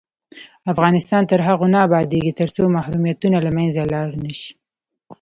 افغانستان تر هغو نه ابادیږي، ترڅو محرومیتونه له منځه لاړ نشي.